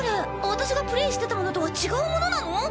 私がプレイしてたものとは違うものなの？